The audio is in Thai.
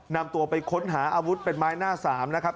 นำตัวไปค้นหาอาวุธเป็นไม้หน้าสามนะครับ